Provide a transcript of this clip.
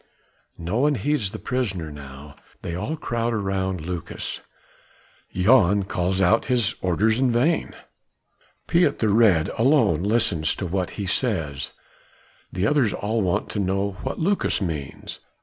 No one heeds the prisoner now. They all crowd around Lucas. Jan calls out his orders in vain: Piet the Red alone listens to what he says, the others all want to know what Lucas means.